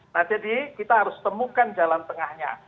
nah jadi kita harus temukan jalan tengahnya